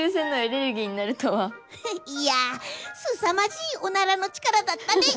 いやすさまじいおならの力だったね！